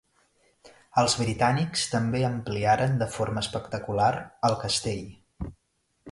Els britànics també ampliaren de forma espectacular el castell.